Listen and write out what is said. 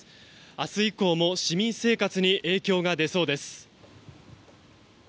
明日以降も市民生活に影響が出そうです。